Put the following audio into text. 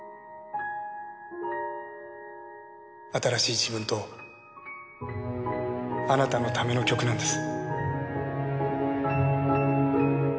新しい自分とあなたのための曲なんです。